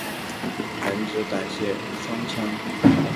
横殖短腺吸虫为双腔科短腺属的动物。